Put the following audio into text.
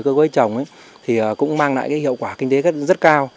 cây trồng cũng mang lại hiệu quả kinh tế rất cao